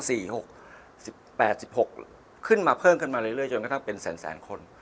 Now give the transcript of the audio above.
หกสิบแปดสิบหกขึ้นมาเพิ่มขึ้นมาเรื่อยจนกระทั่งเป็นแสนแสนคน